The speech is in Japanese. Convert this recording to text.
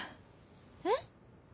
「えっ？」。